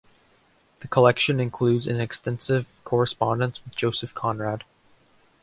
The collection includes an extensive correspondence with Joseph Conrad.